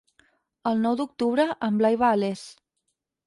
El nou d'octubre en Blai va a Les.